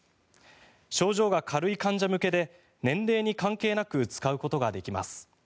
症状が軽い患者向けで年齢に関係なく使うことができます。